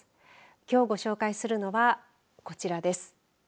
きょうご紹介するのはこちらです。